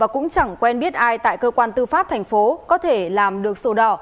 cũng chẳng quen biết ai tại cơ quan tư pháp thành phố có thể làm được sổ đỏ